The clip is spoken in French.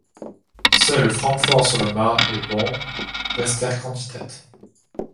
Seules Francfort-sur-le-Main et Bonn restèrent candidates.